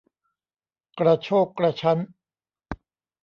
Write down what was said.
กระโชกกระชั้น